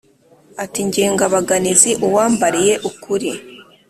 Ati: Ndengabaganizi, uwambariye ukuri !